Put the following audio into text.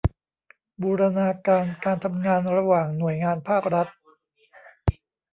บูรณาการการทำงานระหว่างหน่วยงานภาครัฐ